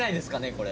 これ。